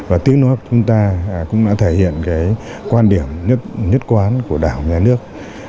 và tiếng nói của chúng ta cũng đã thể hiện quan điểm nhất quán của đảng và nhà nước